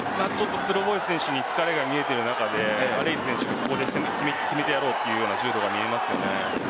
ツロボエフ選手に疲れが見えている中でレイズ選手もここで決めてやろうというような柔道が見えます。